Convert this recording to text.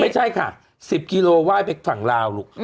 ไม่ใช่ค่ะ๑๐กิโลว่ายไปฝั่งราวนี่ลูก